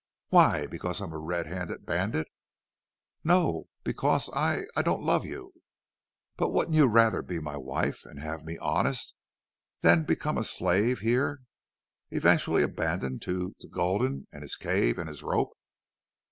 "Why? Because I'm a red handed bandit?" "No. Because I I don't love you." "But wouldn't you rather be my wife and have me honest than become a slave here, eventually abandoned to to Gulden and his cave and his rope?"